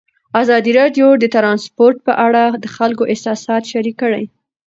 ازادي راډیو د ترانسپورټ په اړه د خلکو احساسات شریک کړي.